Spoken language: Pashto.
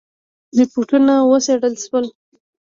رپوټونه وڅېړل شول.